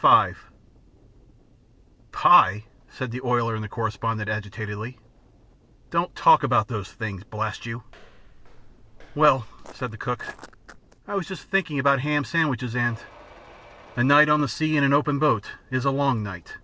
V "Pie," said the oiler and the correspondent, agitatedly. "Don't talk about those things, blast you!" "Well," said the cook, "I was just thinking about ham sandwiches, and " A night on the sea in an open boat is a long night.